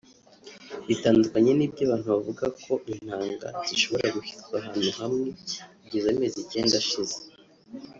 Bitandukanye n’ibyo abantu bavuga ko intanga zishobora gushyirwa ahantu hamwe kugeza amezi icyenda ashize